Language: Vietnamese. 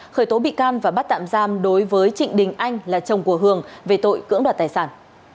khởi tố bị can và bắt tạm giam đối với trịnh đình anh là chồng của hường về tội cưỡng đoạt tài sản